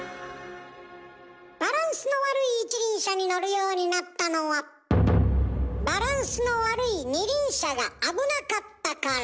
バランスの悪い一輪車に乗るようになったのはバランスの悪い二輪車が危なかったから。